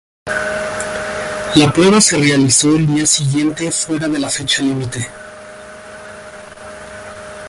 La prueba se realizó el día siguiente, fuera de la fecha límite.